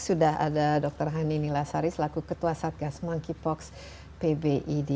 sudah ada dr hani nilasari selaku ketua satgas monkeypox pbid